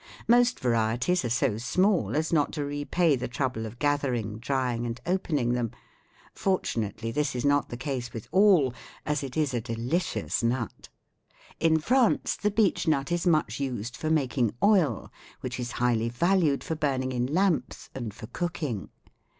Most varieties are so small as not to repay the trouble of gathering, drying and opening them. Fortunately, this is not the case with all, as it is a delicious nut. In France the beech nut is much used for making oil, which is highly valued for burning in lamps and for cooking.